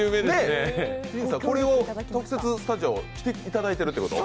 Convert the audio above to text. これを特設スタジオ、来ていただいているということ？